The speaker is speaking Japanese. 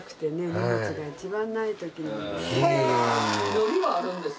海苔はあるんです。